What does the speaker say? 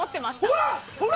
ほら！